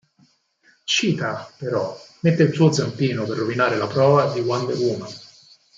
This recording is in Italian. Cheetah, però, mette il suo zampino per rovinare la prova di Wonder Woman.